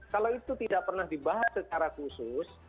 kalau itu tidak pernah dibahas secara khusus